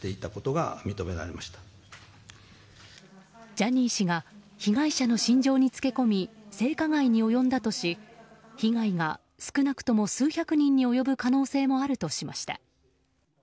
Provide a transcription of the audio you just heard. ジャニー氏が被害者の心情につけ込み、性加害に及んだとし被害が少なくとも数百人に及ぶ可能性もあるとしました。